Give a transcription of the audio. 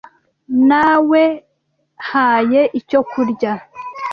Nawehaye icyo kurya.